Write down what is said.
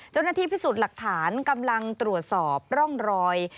เจ้าหน้าที่พิสูจน์หลักฐานกำลังตรวจสอบร่องรอย